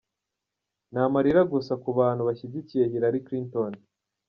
Ni amarira gusa ku bantu bashyigikiye Hillary Clinton.